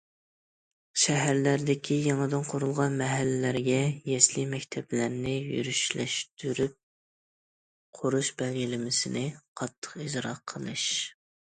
شەھەرلەردىكى يېڭىدىن قۇرۇلغان مەھەللىلەرگە يەسلى، مەكتەپلەرنى يۈرۈشلەشتۈرۈپ قۇرۇش بەلگىلىمىسىنى قاتتىق ئىجرا قىلىش.